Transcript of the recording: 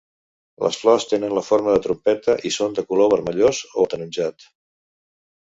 Les flors tenen la forma de trompeta i són de color vermellós o ataronjat.